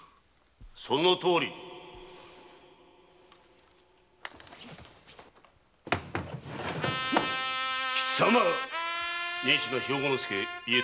・そのとおり貴様仁科兵庫介家時。